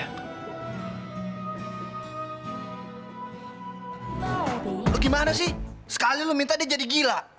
aku juga tahu sekolah itu penting